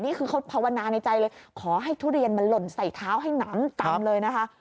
นี่คือเขาภาวนาในใจเลยขอให้ทุเรียนมันหล่นใส่เท้าให้หนำกำเลยนะคะ